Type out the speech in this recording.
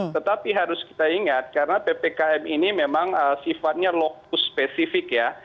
tetapi harus kita ingat karena ppkm ini memang sifatnya lokus spesifik ya